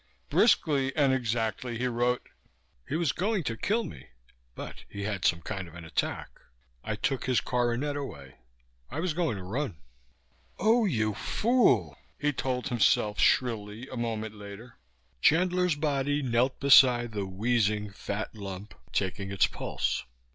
Briskly and exactly he wrote: He was going to kill me, but he had some kind of an attack. I took his coronet away. I was going to run. "Oh, you fool," he told himself shrilly a moment later. Chandler's body knelt beside the wheezing fat lump, taking its pulse.